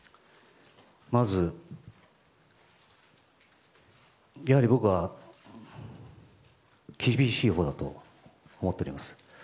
まず、やはり僕は厳しいほうだと思っております。